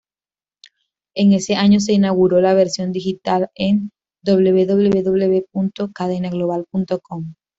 En ese año se inauguró la versión digital en "www.cadenaglobal.com".